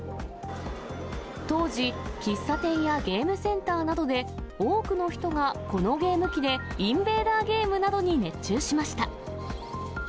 当時、喫茶店やゲームセンターなどで、多くの人がこのゲーム機でインベーダーゲームなどに熱中しました。